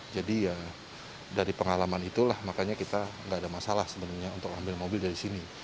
jadi ya dari pengalaman itulah makanya kita nggak ada masalah sebenarnya untuk ambil mobil dari sini